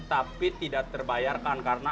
tapi tidak terbayarkan karena